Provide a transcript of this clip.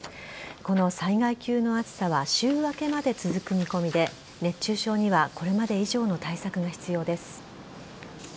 この災害級の暑さは週明けまで続く見込みで熱中症にはこれまで以上の対策が必要です。